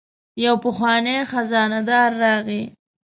یو پخوانی خزانه دار راغی.